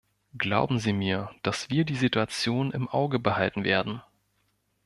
Glauben Sie mir, dass wir die Situation im Auge behalten werden.